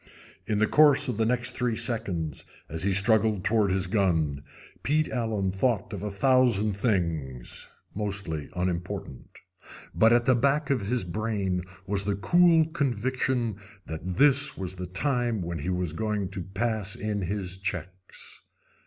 In the course of the next three seconds, as he struggled toward his gun, Pete Allen thought of a thousand things, mostly unimportant. But at the back of his brain was the cool conviction that this was the time when he was going to pass in his checks.